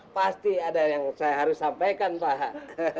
pasti ada yang saya harus sampaikan pak